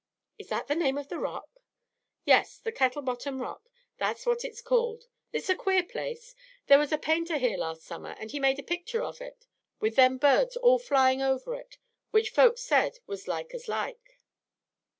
"Is that the name of the rock?" "Yes, the Kettle Bottom Rock; that's what it's called. It's a queer place. There was a painter here last summer, and he made a picter of it, with them birds all flying over it, which folks said was as like as like."